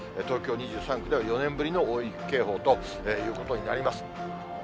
東京２３区では、４年ぶりの大雪警報ということになります。